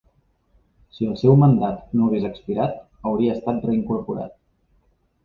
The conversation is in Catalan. Si el seu mandat no hagués expirat, hauria estat reincorporat.